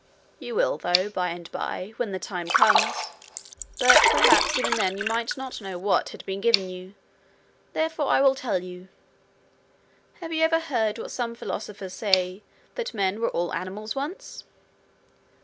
'You will, though, by and by, when the time comes. But perhaps even then you might not know what had been given you, therefore I will tell you. Have you ever heard what some philosophers say that men were all animals once?'